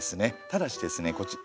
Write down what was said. ただしですねこち。